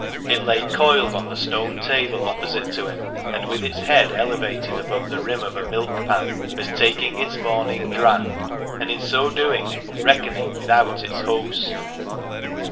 It lay coiled on the stone table opposite to him, and with its head elevated above the rim of a milk pan, was taking its morning draught, and in so doing reckoning without its host.